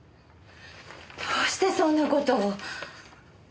どうしてそんな事を。